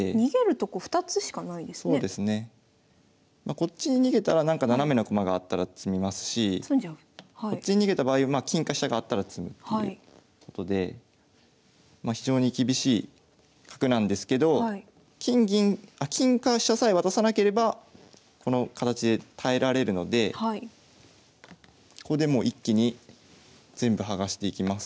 こっちに逃げたらなんか斜めの駒があったら詰みますしこっちに逃げた場合は金か飛車があったら詰むっていうことでまあ非常に厳しい角なんですけど金か飛車さえ渡さなければこの形で耐えられるのでここでもう一気に全部剥がしていきます。